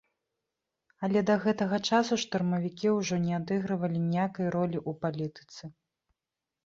Але да гэтага часу штурмавікі ўжо не адыгрывалі ніякай ролі ў палітыцы.